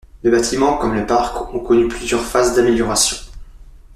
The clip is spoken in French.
Le bâtiment, comme le parc, ont connu plusieurs phases d'améliorations.